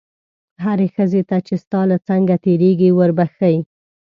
هرې ښځې ته چې ستا له څنګه تېرېږي وربښې.